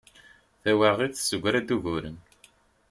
Tawaɣit tessegra-d uguren.